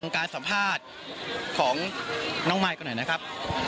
การสัมภาษณ์ของน้องมายก่อนหน่อยนะครับ